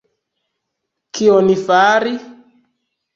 Kion Fari?